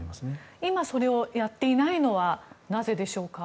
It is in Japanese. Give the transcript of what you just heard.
今それをやっていないのはなぜでしょうか？